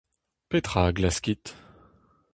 Petra a glaskit ?